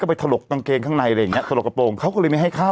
ไปถลกกางเกงข้างในอะไรอย่างเงี้ถลกกระโปรงเขาก็เลยไม่ให้เข้า